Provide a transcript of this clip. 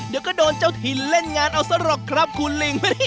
เดี๋ยวก็โดนเจ้าถิ่นเล่นงานเอาซะหรอกครับคุณลิง